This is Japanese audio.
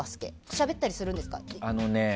しゃべったりするんですか？